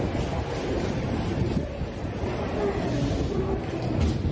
จนไม่ควรอเหิดสรงระบบวิเศษ